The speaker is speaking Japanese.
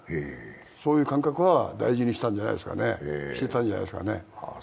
そういう感覚は大事にしてたんじゃないですかね。